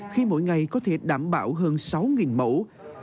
khi mỗi ngày có thể đảm bảo hơn sáu mẫu